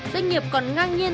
doanh nghiệp còn ngang nhiên